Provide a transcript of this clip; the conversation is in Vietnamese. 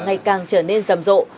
ngày càng trở nên rầm rộ